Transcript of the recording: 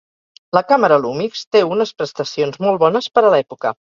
La càmera Lumix té unes prestacions molt bones per a l'època.